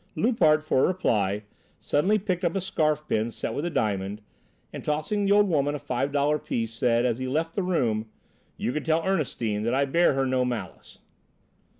Loupart, for reply, suddenly picked up a scarf pin set with a diamond, and, tossing the old Woman a five dollar piece, said as he left the room: "You can tell Ernestine that I bear her no malice."